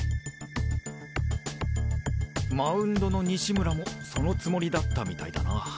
マウンドの西村もそのつもりだったみたいだな。